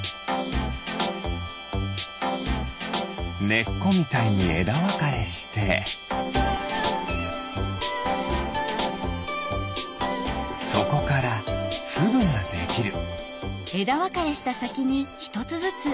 ねっこみたいにえだわかれしてそこからつぶができる。